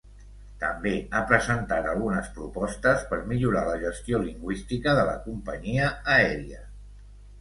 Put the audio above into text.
També ha presentat algunes propostes per millorar la gestió lingüística de la companyia aèria.